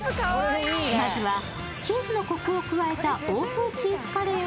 まずは、チーズのこくを加えた欧風チーズカレー。